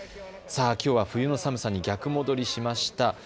きょうは冬の寒さに逆戻りしました。